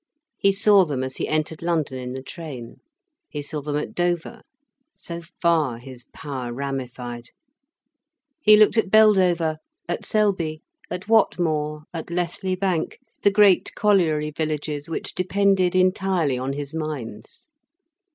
He saw them as he entered London in the train, he saw them at Dover. So far his power ramified. He looked at Beldover, at Selby, at Whatmore, at Lethley Bank, the great colliery villages which depended entirely on his mines.